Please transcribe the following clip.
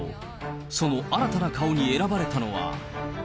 その新たな顔に選ばれたのは。